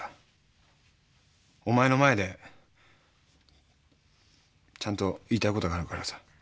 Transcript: お前の前でちゃんと言いたいことがあるからさ。